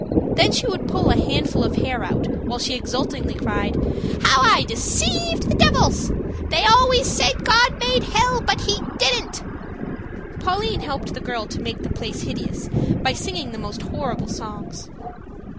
Then she would pull a handful of hair out, while she exultingly cried, "How I deceived the divils. They always said God made hell, but he didn't." Pauline helped the girl to make the place hideous by singing the most horrible songs.